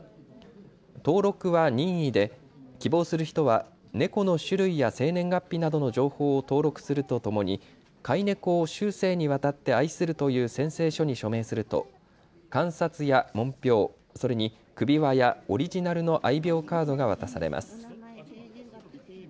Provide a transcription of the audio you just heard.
登録は任意で希望する人は猫の種類や生年月日などの情報を登録するとともに飼い猫を終生にわたって愛するという宣誓書に署名すると鑑札や門標、それに首輪やオリジナルの愛猫カードが渡されます。